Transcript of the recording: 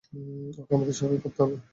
ওকে আমাদের স্বাভাবিক করতে হবে!